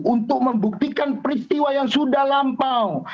untuk membuktikan peristiwa yang sudah lampau